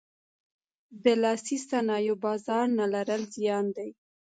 د لاسي صنایعو بازار نه لرل زیان دی.